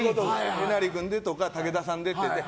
えなり君でとか武田さんでって。